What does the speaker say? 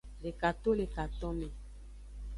Deka to le katonme.